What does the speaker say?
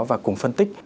và cùng phân tích